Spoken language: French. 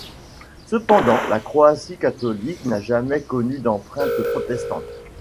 Cependant, la Croatie catholique n'a jamais connu d'empreinte protestante.